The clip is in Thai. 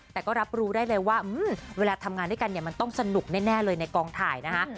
แต่ก็รับรู้ได้เลยว่าเวลาทำงานด้วยกันเนี่ยมันต้องสนุกแน่เลยในกองถ่ายนะคะ